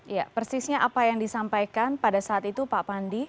ya persisnya apa yang disampaikan pada saat itu pak pandi